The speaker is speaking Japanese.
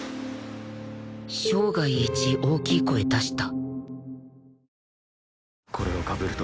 生涯一大きい声出した